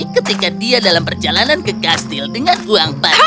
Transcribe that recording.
ketika dia dalam perjalanan ke kastil dengan uang banyak